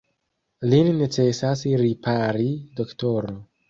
Lin necesas ripari, doktoro.